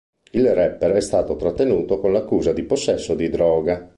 Il rapper è stato trattenuto con l'accusa di possesso di droga.